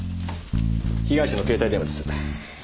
被害者の携帯電話です。